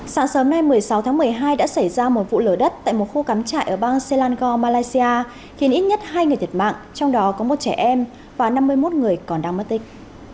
sáng sớm nay một mươi sáu tháng một mươi hai đã xảy ra một vụ lở đất tại một khu cắm trại ở bang selangor malaysia khiến ít nhất hai người thiệt mạng trong đó có một trẻ em và năm mươi một người còn đang mất tích